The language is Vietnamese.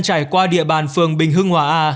trải qua địa bàn phường bình hưng hòa a